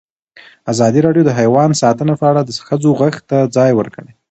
ازادي راډیو د حیوان ساتنه په اړه د ښځو غږ ته ځای ورکړی.